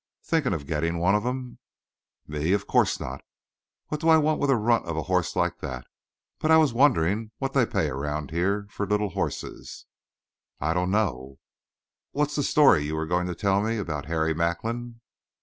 "Thinking of getting one of 'em?" "Me? Of course not! What do I want with a runt of a horse like that? But I was wondering what they pay around here for little horses." "I dunno." "What's that story you were going to tell me about Harry Macklin?"